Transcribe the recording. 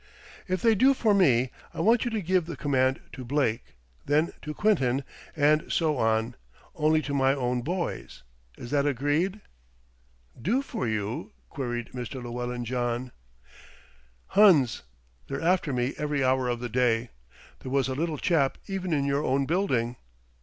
"If they do for me, I want you to give the command to Blake, then to Quinton, and so on, only to my own boys; is that agreed?" "Do for you?" queried Mr. Llewellyn John. "Huns, they're after me every hour of the day. There was a little chap even in your own building."